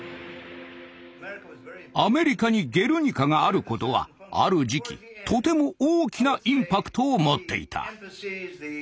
アメリカに「ゲルニカ」があることはある時期とても大きなインパクトを持っていた。